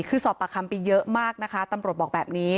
คือสอบปากคำไปเยอะมากนะคะตำรวจบอกแบบนี้